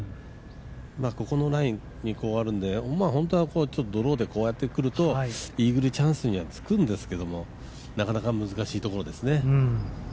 ここのラインにあるんで、本当はドローでこうやって来るとイーグルチャンスにはつくんですけれどもなかなか難しいところですね。